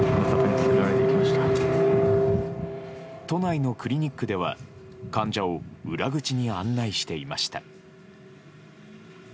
都内のクリニックでは患者を裏口に案内していました。